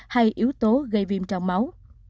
hay yếu tố gây viêm trong máu